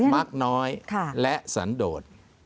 มักน้อยและสันโดด